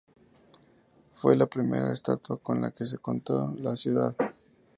Fue la primera estatua con la que contó la ciudad.